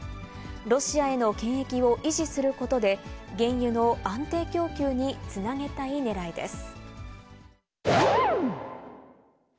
ロシアへの権益を維持することで、原油の安定供給につなげたいねらいです。